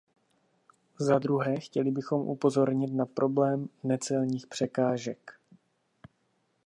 Za druhé, chtěli bychom upozornit na problém necelních překážek.